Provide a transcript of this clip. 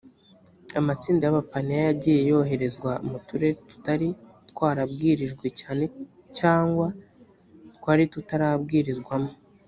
amatsinda y’abapayiniya yagiye yoherezwa mu turere tutari twarabwirijwe cyane cyangwa twari tutarabwirizwamo